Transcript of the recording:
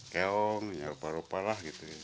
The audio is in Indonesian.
keong ya rupa rupalah gitu